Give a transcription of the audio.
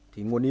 thì nguồn yếu